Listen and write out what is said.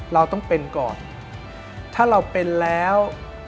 เราต้องเป็นก่อนถ้าเราเป็นแล้ว